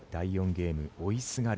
ゲーム追いすがる